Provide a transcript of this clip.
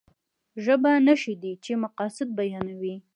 ژبه نښې دي چې مقاصد بيانوي.